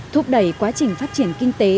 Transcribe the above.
thúc đẩy quá trình phát triển kinh tế